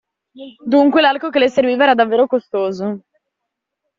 Dunque, l'arco che le serviva era davvero costoso.